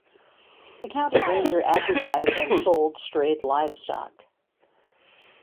The county ranger advertised and sold strayed livestock.